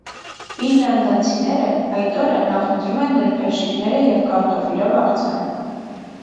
Ֆինլանդացիները այդ օրը նախընտրում են նրբերշիկները և կարտոֆիլով աղցանը։